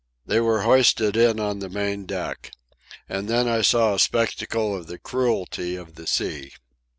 They were hoisted in on the main deck. And then I saw a spectacle of the cruelty of the sea.